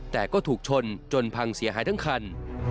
แต่ก็ถูกชนจนพังเสียหายทั้งคัน